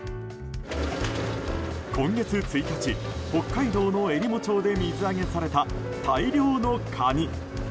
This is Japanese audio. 今月１日、北海道のえりも町で水揚げされた大量のカニ。